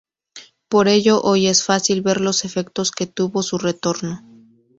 Por ello hoy es fácil ver los efectos que tuvo su retorno.